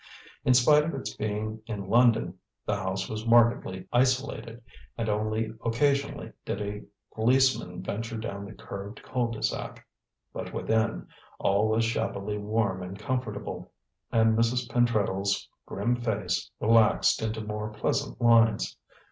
In spite of its being in London, the house was markedly isolated, and only occasionally did a policeman venture down the curved cul de sac. But within, all was shabbily warm and comfortable, and Mrs. Pentreddle's grim face relaxed into more pleasant lines.